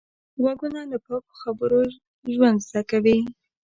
غوږونه له پاکو خبرو ژوند زده کوي